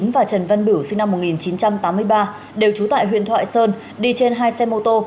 và trần văn bửu sinh năm một nghìn chín trăm tám mươi ba đều trú tại huyện thoại sơn đi trên hai xe mô tô